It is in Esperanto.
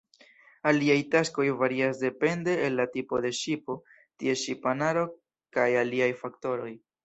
Aliaj taskoj varias depende el la tipo de ŝipo, ties ŝipanaro, kaj aliaj faktoroj.